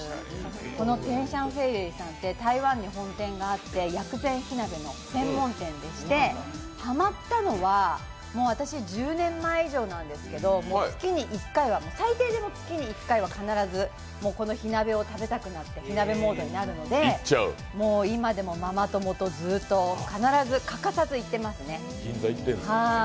この天香回味さんって台湾に本店があって薬膳火鍋の専門店さんでして、ハマったのは、私、１０年前以上なんですけど最低でも月に１回は必ずこの火鍋を食べたくなって、火鍋モードになるのでもう今でもママ友とずっと、必ず、欠かさず行ってますね。